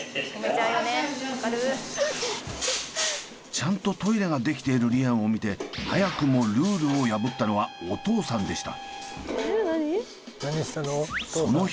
ちゃんとトイレができているリアンを見て早くもルールを破ったのはお父さんでした。